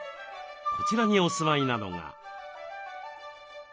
こちらにお住まいなのが。